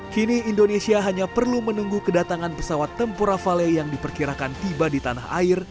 kini indonesia hanya perlu menunggu kedatangan pesawat tempur rafale yang diperkirakan tiba di tanah air